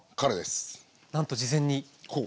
なんと事前に。